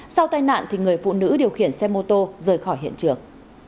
sau tai nạn thì người phụ nữ điều khiển xe mô tô rời khỏi hiện trường